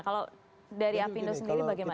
kalau dari apindo sendiri bagaimana